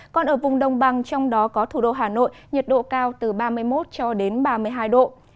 còn ở vùng đông bằng trong đó có thủ đô hà nội nhiệt độ cao từ ba mươi một cho đến ba mươi hai độ